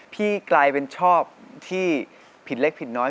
พี่กลายเป็นชอบที่ผิดเล็กผิดน้อย